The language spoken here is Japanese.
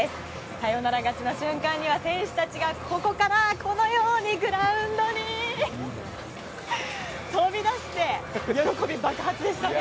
サヨナラ勝ちの瞬間には選手たちがここからグラウンドに飛び出して喜び爆発でしたね。